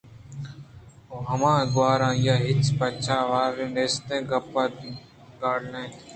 ءُ ہماہاں کہ گوٛر آئی ءَ ہچ پجّاہ آروکی ئِے نیست گیپت ءُ گاڑلینیت